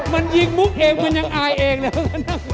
มันยิงมุกเองมันยังอายเองเลย